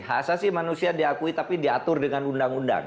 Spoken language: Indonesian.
hak asasi manusia diakui tapi diatur dengan undang undang